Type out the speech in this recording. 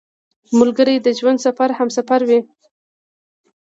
ملګری د ژوند سفر همسفر وي